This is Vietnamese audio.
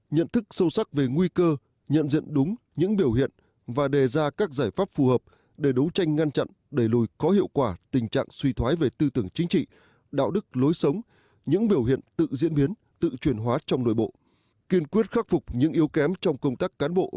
nhận thức sâu sắc về nguy cơ nhận diện đúng những biểu hiện và đề ra các giải pháp phù hợp để đấu tranh ngăn chặn đẩy lùi có hiệu quả tình trạng suy thoái về tư tưởng chính trị đạo đức lối sống những biểu hiện tự diễn biến tự truyền hóa trong nội bộ